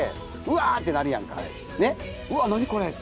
うわってなるやん。